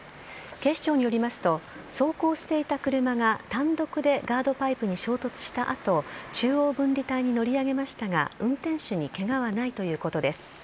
警視庁によりますと走行していた車が単独でガードパイプに衝突した後中央分離帯に乗り上げましたが運転手にケガはないということです。